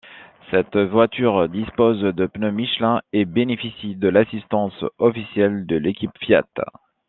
Cette voiture dispose de pneus Michelin et bénéficie de l'assistance officielle de l'équipe Fiat.